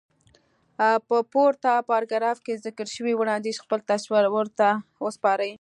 په پورته پاراګراف کې ذکر شوی وړانديز خپل تصور ته وسپارئ.